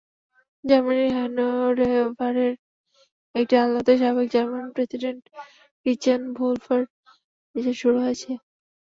জার্মানির হ্যানোভারের একটি আদালতে সাবেক জার্মান প্রেসিডেন্ট ক্রিশ্চিয়ান ভুল্ফের বিচার শুরু হয়েছে।